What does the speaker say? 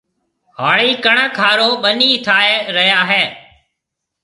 هاڙِي ڪڻڪ هارون ٻنِي ٺاهيَ ريا هيَ۔